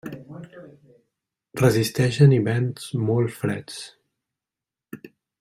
Resisteixen hiverns molt freds.